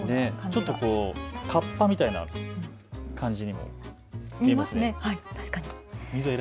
ちょっとカッパみたいな感じに見えますね。